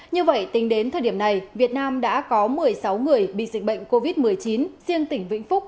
như vậy tính đến thời điểm này việt nam đã có một mươi sáu người bị dịch bệnh covid một mươi chín riêng tỉnh vĩnh phúc